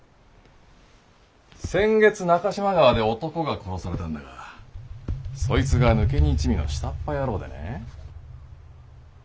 先月中島川で男が殺されたんだがそいつが抜荷一味の下っ端野郎でね。